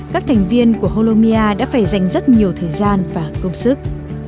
các thành viên của holomia đã phải dành rất nhiều thời gian và công sức